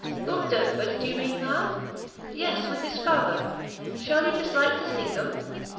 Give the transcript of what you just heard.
"Lord Derford, do you mean, ma'am?" "Yes, with his father; shall you dislike to see them?"